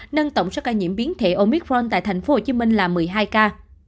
nâng tổng số ca nhiễm biến thể omicron tại thành phố hồ chí minh là một mươi hai ca